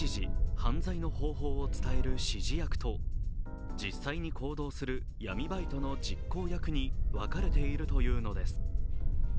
犯罪の方法を伝える指示役と実際に行動する闇バイトの実行役に分かれているというのです。